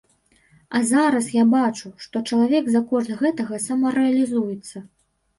А зараз я бачу, што чалавек за кошт гэтага самарэалізуецца.